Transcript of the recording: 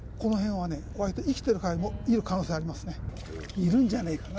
いるんじゃないかな。